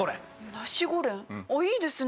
ナシゴレンいいですね。